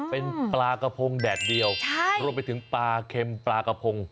เป็นปลากระพงแดดเดียวรวมไปถึงปลาเค็มปลากระพง